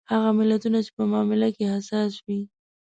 هغه ملتونه چې په معامله کې حساس وي.